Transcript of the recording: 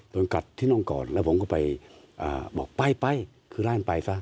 โดนกัดที่น่องก่อนแล้วผมก็ไปบอกไปไปคือร่างไปซะ